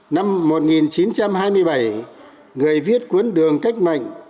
năm một nghìn chín trăm hai mươi bảy người viết cuốn đường cách mệnh